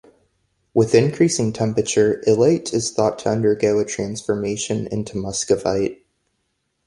With increasing temperature, illite is thought to undergo a transformation into muscovite.